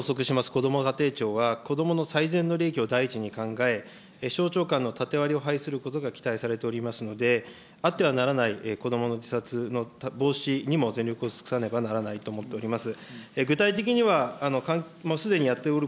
こども家庭庁は、子どもの最大の利益を第一に考え、省庁間の縦割りを排することが期待されておりますので、あってはならない子どもの自殺の防止にも全力を尽くさねばならないと思っております。